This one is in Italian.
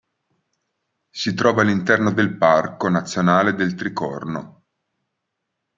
Si trova all'interno del Parco Nazionale del Tricorno.